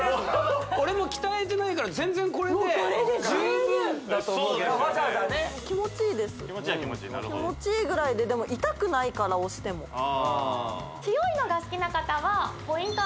俺も鍛えてないから全然これで十分だと思うけどわざわざね気持ちいいは気持ちいい気持ちいいぐらいででも痛くないから押しても強いのが好きな方はポイント